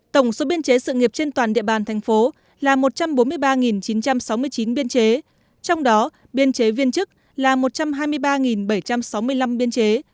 tổng số biên chế sự nghiệp trên toàn địa bàn thành phố là một trăm bốn mươi ba chín trăm sáu mươi chín biên chế trong đó biên chế viên chức là một trăm hai mươi ba bảy trăm sáu mươi năm biên chế